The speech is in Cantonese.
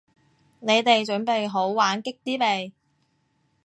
你哋準備好玩激啲未？